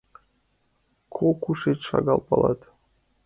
Кӧ кушеч, шагал палат.